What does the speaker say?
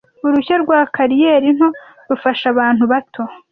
uruhushya rwa kariyeri nto rufasha abantu bato